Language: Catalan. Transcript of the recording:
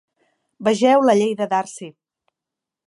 Vegeu la Llei de Darcy.